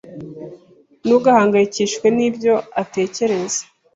Ntugahangayikishwe nibyo atekereza.